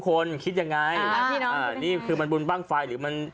ทุกคนคิดยังไงอ่าพี่น้องอ่านี่คือมันบุญบ้างไฟหรือมัน